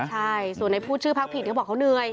ใช่ส่วนในพูดชื่อพักผิดเขาบอกเขาเหนื่อย